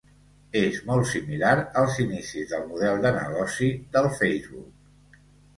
És molt similar als inicis del model de negoci del Facebook.